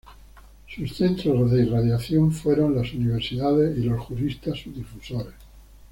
Sus centros de irradiación fueron las universidades y los juristas sus difusores.